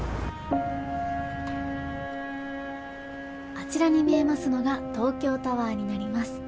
あちらに見えますのが東京タワーになります。